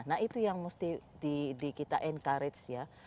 nah itu yang mesti kita encourage ya